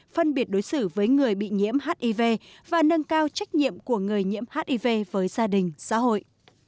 phân biệt đối xử với người bị nhiễm hiv và nâng cao trách nhiệm của người nhiễm hiv với gia đình xã hội